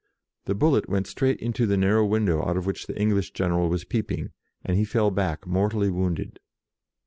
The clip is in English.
The bullet went straight into the narrow window out of which the English general was peeping, and he fell back, mortally wounded.